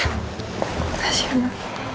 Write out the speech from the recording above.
terima kasih mama